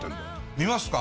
見ますか。